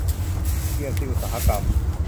ที เอ็ม ซี อุตสาหกรรม